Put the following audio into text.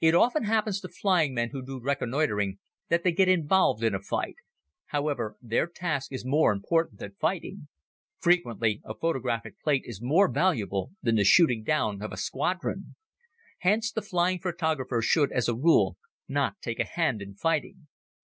It often happens to flying men who do reconnoitering that they get involved in a fight. However, their task is more important than fighting. Frequently a photographic plate is more valuable than the shooting down of a squadron. Hence the flying photographer should, as a rule, not take a hand in fighting.